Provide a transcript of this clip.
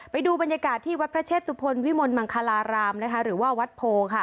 ไปดูบรรยากาศที่วัดพระเชษตุพลวิมลมังคลารามนะคะหรือว่าวัดโพค่ะ